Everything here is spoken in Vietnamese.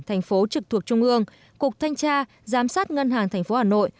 thành phố trực thuộc trung ương cục thanh tra giám sát ngân hàng thành phố hà nội